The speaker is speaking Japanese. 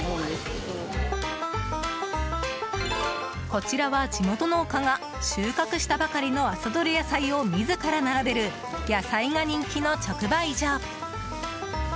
こちらは地元農家が収穫したばかりの朝どれ野菜を自ら並べる野菜が人気の直売所。